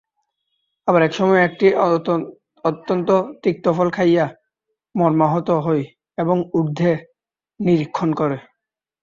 আবার একসময়ে একটি অত্যন্ত তিক্ত ফল খাইয়া মর্মাহত হয় এবং ঊর্ধ্বে নিরীক্ষণ করে।